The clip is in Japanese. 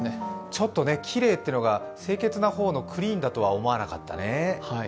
ちょっときれいというのが、清潔の方のクリーンとは思わなかったね。